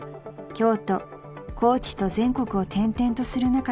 京都高知と全国を転々とする中で